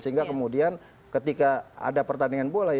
sehingga kemudian ketika ada pertandingan bola